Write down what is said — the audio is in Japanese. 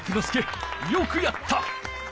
介よくやった！